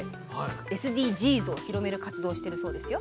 ＳＤＧｓを広める活動をしているそうですよ。